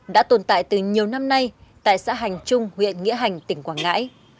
đã tồn tại từ nhiều năm nay tại xã hành trung huyện nghĩa hành tỉnh quảng ngãi